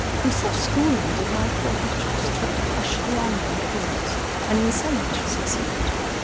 With such schooling did my poor Idris try to hush thronging fears, and in some measure succeeded.